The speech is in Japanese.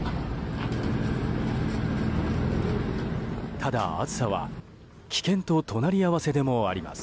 ただ、暑さは危険と隣り合わせでもあります。